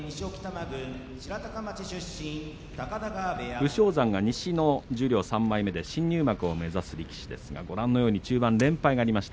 武将山が西の十両３枚目で新入幕を目指す力士ですが中盤、連敗がありました